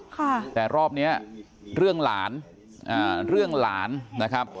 ค่ะแต่รอบเนี้ยเรื่องหลานอ่าเรื่องหลานนะครับ